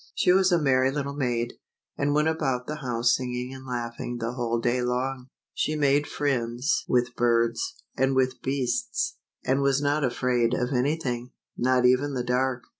She was a merry little maid, and went about the house singing and laughing the whole day long. She made friends 43 LITTLE RED RIDING HOOD. with birds, and with beasts, and was not afraid of anything, not even the dark.